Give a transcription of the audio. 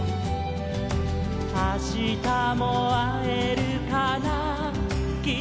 「あしたもあえるかなきっとあえる」